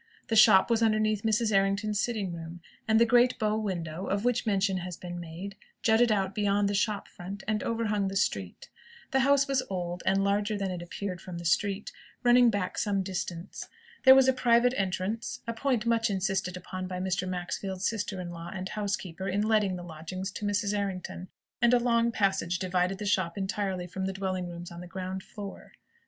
The shop was underneath Mrs. Errington's sitting room, and the great bow window, of which mention has been made, jutted out beyond the shop front, and overhung the street. The house was old, and larger than it appeared from the street, running back some distance. There was a private entrance a point much insisted upon by Mr. Maxfield's sister in law and housekeeper in letting the lodgings to Mrs. Errington and a long passage divided the shop entirely from the dwelling rooms on the ground floor.